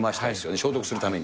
消毒するために。